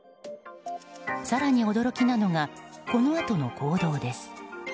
更に驚きなのがこのあとの行動です。